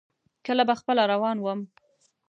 کله به خپله روان ووم.